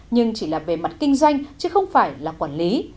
nhưng chỉ là về mặt kinh doanh chứ không phải là quản lý